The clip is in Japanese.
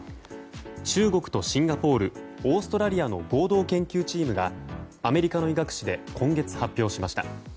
中国とシンガポールオーストラリアの合同研究チームがアメリカの医学誌で今月発表しました。